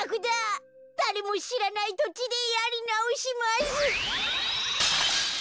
だれもしらないとちでやりなおします。